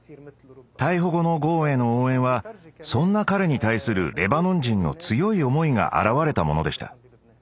逮捕後のゴーンへの応援はそんな彼に対するレバノン人の強い思いが表れたものでした。